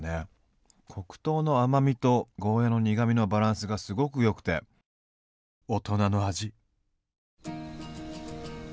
黒糖の甘みとゴーヤーの苦みのバランスがすごくよくて大人の味。